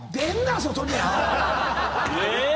え！